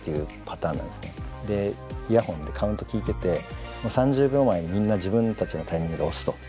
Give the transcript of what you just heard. イヤホンでカウント聞いてて３０秒前にみんな自分たちのタイミングで押すと。